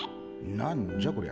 なんじゃこりゃ？